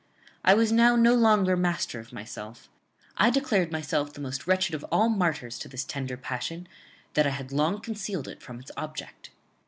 I was now no longer master of myself; I declared myself the most wretched of all martyrs to this tender passion; that I had long concealed it from its object.